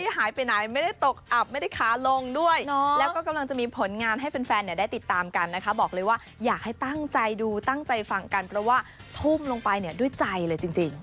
หายไปไหนไม่ได้ตกอับไม่ได้ขาลงด้วยแล้วก็กำลังจะมีผลงานให้แฟนได้ติดตามกันนะคะบอกเลยว่าอยากให้ตั้งใจดูตั้งใจฟังกันเพราะว่าทุ่มลงไปเนี่ยด้วยใจเลยจริง